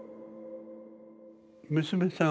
娘さん